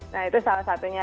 nah itu salah satunya